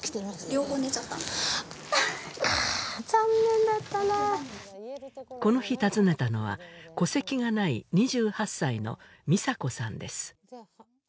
両方寝ちゃった残念だったなーこの日訪ねたのは戸籍がない２８歳の美砂子さんです